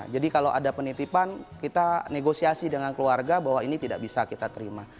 jadi kalau ada penitipan kita negosiasi dengan keluarga bahwa ini tidak bisa kita terima